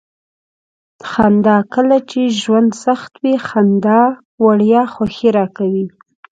خندا: کله چې ژوند سخت وي. خندا وړیا خوښي راکوي.